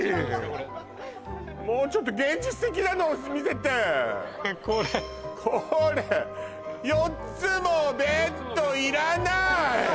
これもうちょっと現実的なのを見せてこれこれ４つもベッドいらない